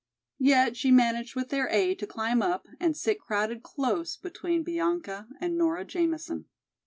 Yet she managed with their aid to climb up and sit crowded close between Bianca and Nora Jamison.